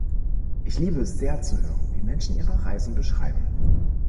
Ich liebe es sehr, zu hören, wie Menschen ihre Reisen beschreiben.